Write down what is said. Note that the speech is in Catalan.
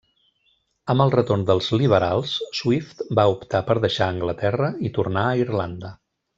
Amb el retorn dels liberals, Swift va optar per deixar Anglaterra i tornar a Irlanda.